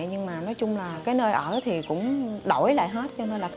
nhưng mà nói chung là cái nơi ở thì cũng đổi lại hết